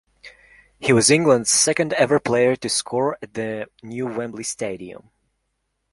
He was England's second ever player to score at the new Wembley Stadium.